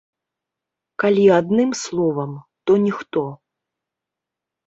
Калі адным словам, то ніхто.